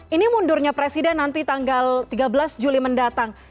ini mundurnya presiden nanti tanggal tiga belas juli mendatang